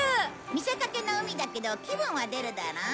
見せかけの海だけど気分は出るだろ？